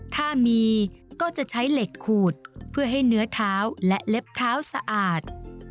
ถ้ามีก็จะใช้เหล็กขูดเพื่อให้เนื้อเท้าและเล็บเท้าสะอาด